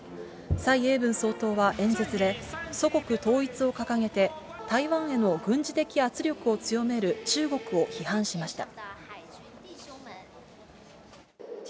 蔡英文総統は演説で、祖国統一を掲げて、台湾への軍事的圧力を強める中国を批判しました。